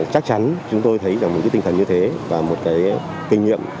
chắc chắn chúng tôi thấy là một cái tinh thần như thế và một cái kinh nghiệm